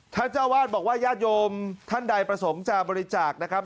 เจ้าวาดบอกว่าญาติโยมท่านใดประสงค์จะบริจาคนะครับ